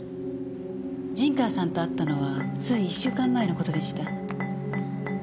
陣川さんと会ったのはつい１週間前の事でした。